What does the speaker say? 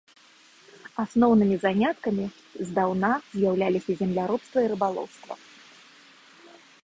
Асноўнымі заняткамі здаўна з'яўляліся земляробства і рыбалоўства.